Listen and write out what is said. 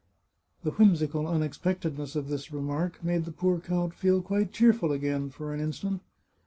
The whimsical unexpectedness of this remark made the poor count feel quite cheerful again, for an instant.